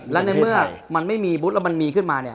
และในเมื่อมันไม่มีบูธแล้วมันมีขึ้นมาเนี่ย